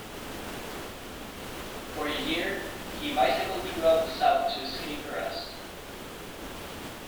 For a year, he bicycled throughout the South to escape arrest.